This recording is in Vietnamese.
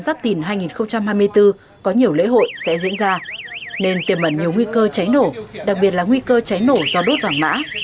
giáp tình hai nghìn hai mươi bốn có nhiều lễ hội sẽ diễn ra nên tiềm mẩn nhiều nguy cơ cháy nổ đặc biệt là nguy cơ cháy nổ do đút vang mã